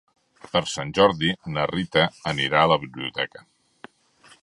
Per Sant Jordi na Rita anirà a la biblioteca.